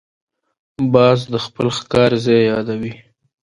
باز د خپل ښکار ځای یادوي